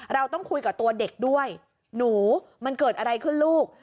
เราต้องคุยกับตัวเด็กด้วยหนูมันเกิดอะไรขึ้นลูก